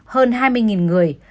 hơn hai mươi người